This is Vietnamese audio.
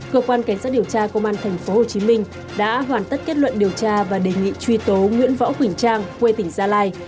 cơ quan cảnh sát điều tra công an tp hcm đã hoàn tất kết luận điều tra và đề nghị truy tố nguyễn võ quỳnh trang quê tỉnh gia lai